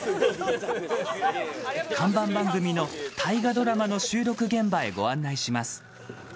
看板番組の、大河ドラマの収録現場へご案内します。